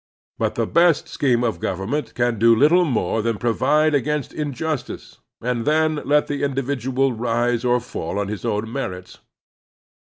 But the best scheme of government can do little more than provide against injustice, and then let the individual rise or fall on his own merits.